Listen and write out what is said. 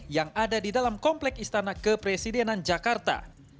yang ada di dalam komplek istana kepresidenan jakarta